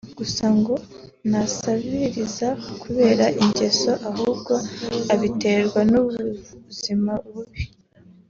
gusa ngo ntasabiriza kubera ingeso ahubwo abiterwa n’ubuzima bubi